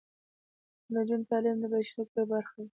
د نجونو تعلیم د بشري حقونو یوه برخه ده.